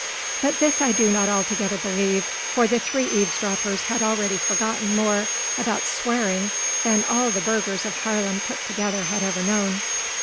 But this I do not altogether believe; for the three eavesdroppers had already forgotten more about swearing than all the burghers of Haarlem put together had ever known.